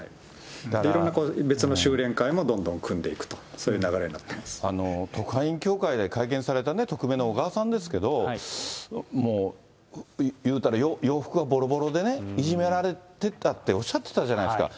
いろんな、別の修錬会もどんどん組んでいくと、そういう流れにな特派員協会で会見された匿名の小川さんですけど、言うたら、洋服はぼろぼろで、いじめられてたっておっしゃってたじゃないですか。